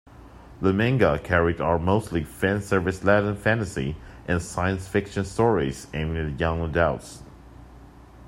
The manga carried are mostly fanservice-laden fantasy and science-fiction stories aimed at young adults.